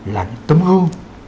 là những tấm hương